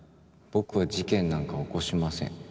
僕は事件なんか起こしません。